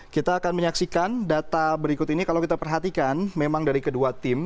kita akan menyaksikan data berikut ini kalau kita perhatikan memang dari kedua tim